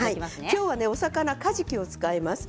今日はお魚、かじきを使います。